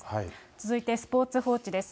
続いてスポーツ報知です。